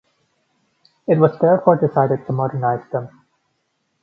It was therefore decided to modernise them.